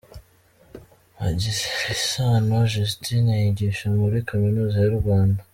Bagirisano Justine: Yigisha muri Kaminuza y’u Rwanda.